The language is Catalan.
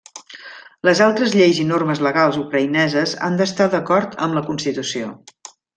Les altres lleis i normes legals ucraïneses han d'estar d'acord amb la constitució.